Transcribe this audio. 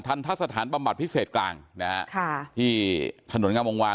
ทันทัศน์สถานปับบัติพิเศษกลางนะฮะค่ะที่ถนนงามองวาล